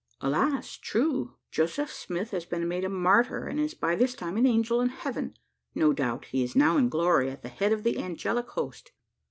"Alas, true! Joseph Smith has been made a martyr, and is by this time an angel in heaven. No doubt he is now in glory, at the head of the angelic host."